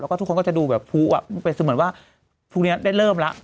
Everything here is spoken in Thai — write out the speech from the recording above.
แล้วก็ทุกคนก็จะดูแบบพุเหมือนว่าพรุ่งนี้ได้เริ่มแล้ว